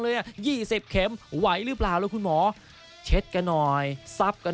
อ่ะ๒๐เข็มไหวหรือเปล่าแล้วคุณหมอเช็ดกันหน่อยซับกัน